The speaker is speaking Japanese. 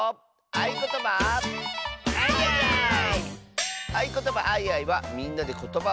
「あいことばあいあい」はみんなでことばをあわせるあそび！